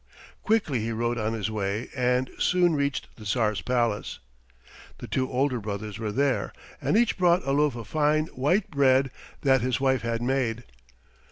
Quickly he rode on his way, and soon reached the Tsar's palace. The two older brothers were there, and each brought a loaf of fine white bread that his wife had made.